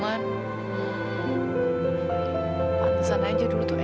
pantesan aja dulu tuh